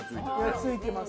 付いてます。